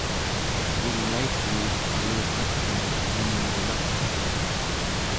ilait yuut aluqatkanek iinrulartut